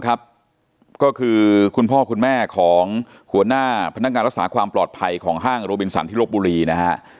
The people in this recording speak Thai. ก็คือคุณพ่อคุณแม่ของหัวหน้าพนักงานรักษาความปลอดภัยของห้างโรบินสันที่ลบบุรีนะฮะ